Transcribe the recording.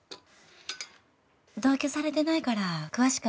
同居されてないから詳しくは無理かも。